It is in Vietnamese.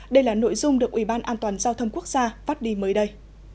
đây là nội dung được ubnd quốc gia phát đi mới đây